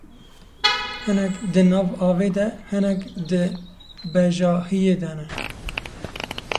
Hinek di nav avê de, hinek di bejahiyê de ne.